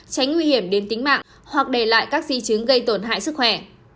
tránh nguy hiểm đến tính mạng hoặc để lại các di chứng gây tổn hại sức khỏe